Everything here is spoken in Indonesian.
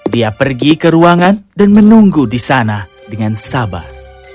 dia pergi ke ruangan dan menunggu di sana dengan sabar